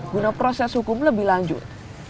guna proses hukum lebih lanjut